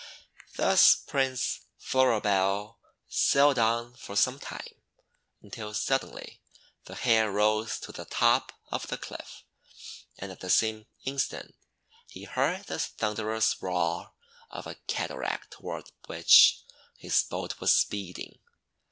Thus Prince Floribel sailed on for some time, until suddenly the hair rose to the top of the cliff, and at the same instant he heard the thunderous roar of a cataract toward which his boat was speeding.